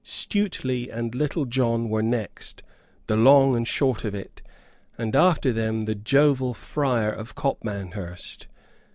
Stuteley and Little John were next, the long and short of it; and after them the jovial Friar of Copmanhurst.